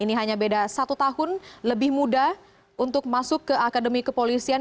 ini hanya beda satu tahun lebih muda untuk masuk ke akademi kepolisian